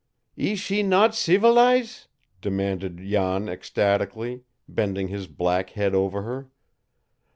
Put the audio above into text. "Ees she not ceevilize?" demanded Jan ecstatically, bending his black head over her.